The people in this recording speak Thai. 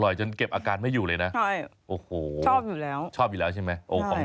อร่อยจนเก็บอาการไม่อยู่เลยนะโอ้โหชอบอยู่แล้ว